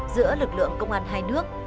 giữa lực lượng công an hai nước